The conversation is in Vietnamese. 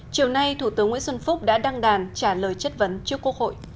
chiều nay thủ tướng nguyễn xuân phúc đã đăng đàn trả lời chất vấn trước quốc hội